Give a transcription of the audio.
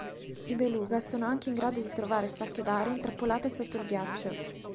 I beluga sono anche in grado di trovare sacche d'aria intrappolate sotto il ghiaccio.